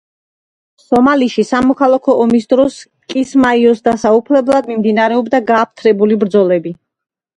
სომალიში სამოქალაქო ომის დროს კისმაიოს დასაუფლებლად მიმდინარეობდა გააფთრებული ბრძოლები.